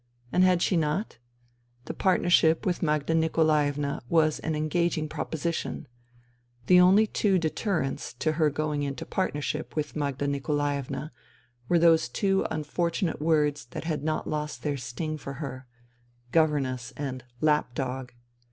And had she not ? The partner ship with Magda Nikolaevna was an engaging proposition. The only two deterrents to her going NINA 251 into partnership with Magda Nikolaevna were those two unfortunate words that had not lost their sting for her —" governess " and " lapdog."